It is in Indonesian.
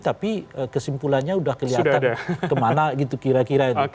tapi kesimpulannya sudah kelihatan kemana gitu kira kira itu